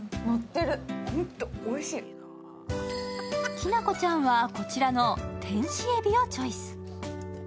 きなこちゃんは、こちらの天使エビをチョイス。